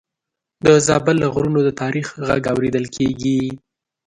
د زابل له غرونو د تاریخ غږ اورېدل کېږي.